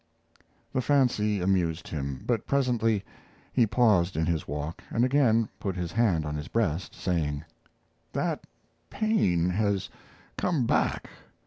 The fancy amused him, but presently he paused in his walk and again put his hand on his breast, saying: "That pain has come back.